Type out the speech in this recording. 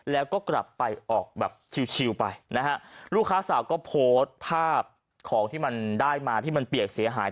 แล้วก็กลับไปออกแบบชิวไปนะฮะลูกค้าสาวก็โพสต์ภาพของที่มันได้มาที่มันเปียกเสียหาย